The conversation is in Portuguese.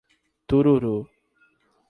Tururu